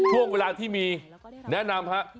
ช่วงเวลาที่มีแนะนำฮะ